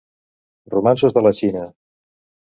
Romanços de la Xina!